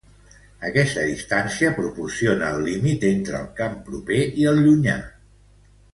Aquesta distància proporciona el límit entre el camp proper i el llunyà.